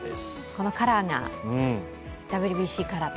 このカラーがＷＢＣカラーと。